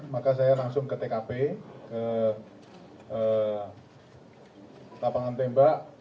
maka saya langsung ke tkp ke lapangan tembak